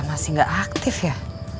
masih gak aktif ya